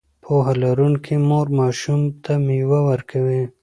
پوهه لرونکې مور ماشوم ته مېوه ورکوي.